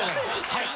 はい。